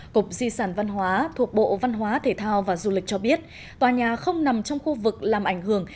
cục di sản văn hóa thuộc bộ văn hóa thể thao và du lịch cho biết tòa nhà không nằm trong khu vực làm ảnh hưởng